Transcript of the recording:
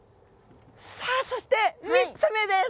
さあそして３つ目です！